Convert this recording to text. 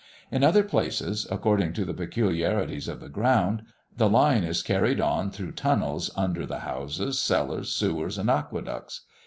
In other places, according to the peculiarities of the ground, the line is carried on through tunnels under the houses, cellars, sewers, and aqueducts.